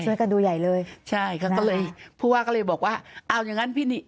ช่วยกันดูใหญ่เลยใช่เขาก็เลยผู้ว่าก็เลยบอกว่าเอาอย่างงั้นพี่นี่